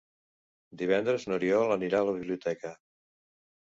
Divendres n'Oriol anirà a la biblioteca.